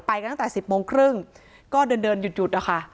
กันตั้งแต่๑๐โมงครึ่งก็เดินเดินหยุดนะคะ